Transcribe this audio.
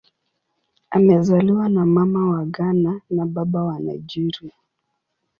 Amezaliwa na Mama wa Ghana na Baba wa Nigeria.